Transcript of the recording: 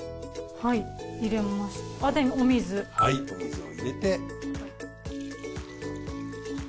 はいお水を入れて。